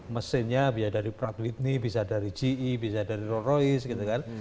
mesinnya bisa dari prajuritni bisa dari ge bisa dari roll royce gitu kan